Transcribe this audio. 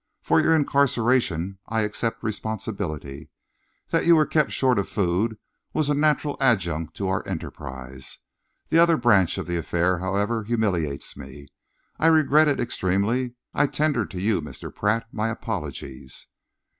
For your incarceration I accept the responsibility. That you were kept short of food was a natural adjunct to our enterprise. The other branch of the affair, however, humiliates me. I regret it extremely. I tender to you, Mr. Pratt, my apologies."